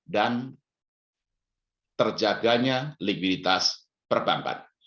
dan terjaganya likviditas perbankan